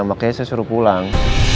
makanya saya suruh pulang